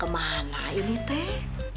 pas banget yang maju metsin